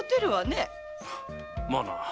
まあな。